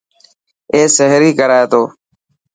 اي سهري ڪرائي تو.